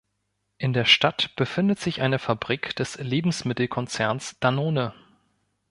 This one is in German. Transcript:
In der Stadt befindet sich eine Fabrik des Lebensmittelkonzerns Danone.